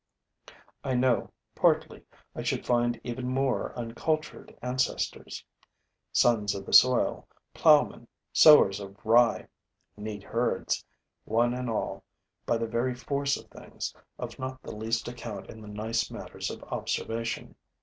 I know, partly. I should find even more uncultured ancestors: sons of the soil, plowmen, sowers of rye, neat herds; one and all, by the very force of things, of not the least account in the nice matters of observation.